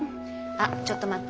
あっちょっと待って。